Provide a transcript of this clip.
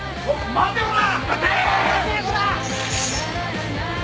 待てこら！